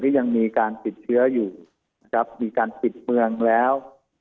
ที่ยังมีการติดเชื้ออยู่มีการติดเมืองแล้ว